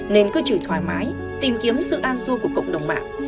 nên cứ chửi thoải mái tìm kiếm sự an xua của cộng đồng mạng